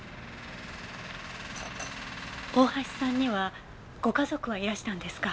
大橋さんにはご家族はいらしたんですか？